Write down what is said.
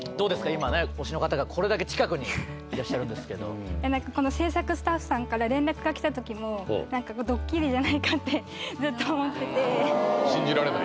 今ね推しの方がこれだけ近くにいらっしゃるんですけど何かこの制作スタッフさんから連絡が来た時も何かドッキリじゃないかってずっと思ってて信じられない？